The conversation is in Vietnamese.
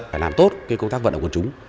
phải làm tốt công tác vận động quân chúng